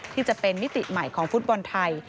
ที่จะเป็นมิติใหม่ของฟุตบอลไทย